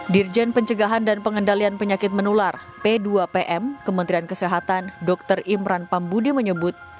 dirjen pencegahan dan pengendalian penyakit menular p dua pm kementerian kesehatan dr imran pambudi menyebut